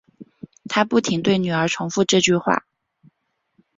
她不停对女儿重复这句话